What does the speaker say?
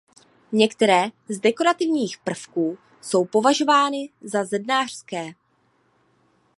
Některé z dekorativních prvků jsou považovány za zednářské.